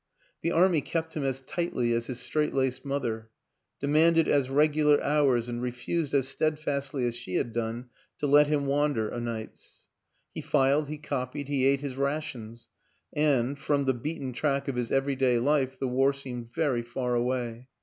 The Army kept him as tightly as his strait laced mother; demanded as regular hours and refused, as steadfastly as she had done, to let him wander o' nights. He filed, he copied, he ate his rations and from the beaten track of his everyday life, the war seemed very far away.